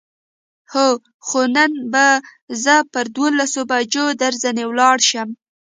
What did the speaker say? هو، خو نن به زه پر دولسو بجو درځنې ولاړ شم.